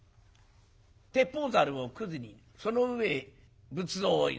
鉄砲ざるをくずにその上へ仏像を置いた。